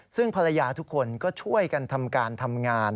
ซึ่งภรรยาทุกคนก็ช่วยกันทำการทำงาน